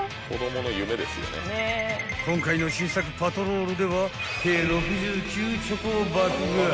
［今回の新作パトロールでは計６９チョコを爆買い］